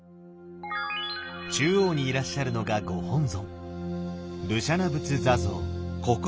中央にいらっしゃるのがご本尊